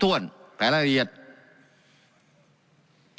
การปรับปรุงทางพื้นฐานสนามบิน